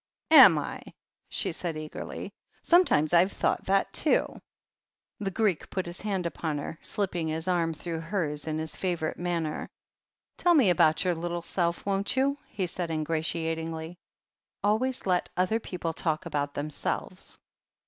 "Am I ?*' she said eagerly. "Sometimes I've thought that, too." The Greek put his hand upon her, slipping his arm through hers in his favourite manner. "Tell me about your little self, won't you ?" he said ingratiatingly. '^Always let the other people talk about them selves."